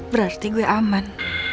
berarti gua aman